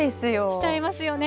しちゃいますよね。